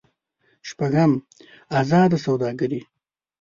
شپږم: ازاده سوداګري.